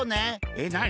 えっなに？